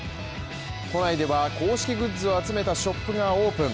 都内では公式グッズを集めたショップがオープン。